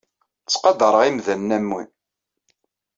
Ttqadareɣ imdanen am wi.